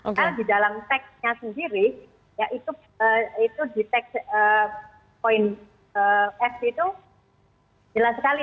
nah di dalam teksnya sendiri ya itu di teks poin f itu jelas sekali